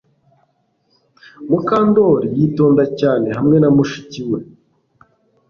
Mukandoli yitonda cyane hamwe na mushiki we